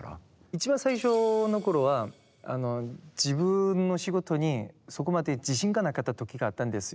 一番最初のころは自分の仕事にそこまで自信がなかった時があったんですよ。